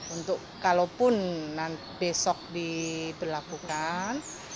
untuk kalaupun besok diberlakukan